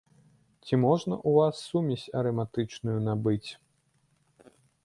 Ці можна у вас сумесь араматычную набыць?